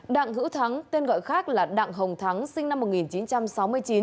đặng hữu thắng tên gọi khác là đặng hồng thắng sinh năm một nghìn chín trăm sáu mươi chín